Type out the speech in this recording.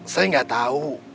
saya nggak tahu